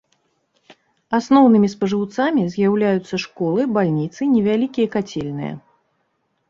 Асноўнымі спажыўцамі з'яўляюцца школы, бальніцы, невялікія кацельныя.